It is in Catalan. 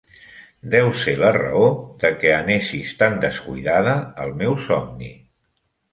Deu ser la raó de que anessis tan descuidada al meu somni.